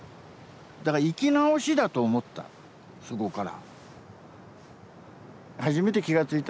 だから生き直しだと思ったそこから。